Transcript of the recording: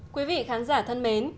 quý vị khán giả thân mến